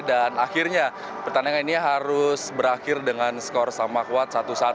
dan akhirnya pertandingan ini harus berakhir dengan skor sama kuat satu satu